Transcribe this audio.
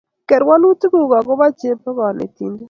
keer walutiguuk ago chebo konetindet